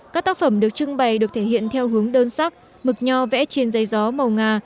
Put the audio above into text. các tác phẩm được trưng bày được thể hiện theo hướng đơn sắc mực nho vẽ trên dây gió màu nga